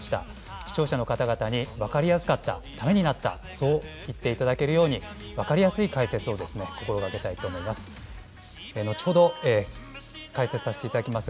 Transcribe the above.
視聴者の方々に分かりやすかった、ためになった、そう言っていただけるように、分かりやすい解説を心がけたいと思います。